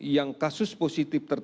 yang kasus positif tersebut